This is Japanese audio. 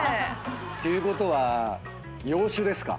ていうことは洋酒ですか？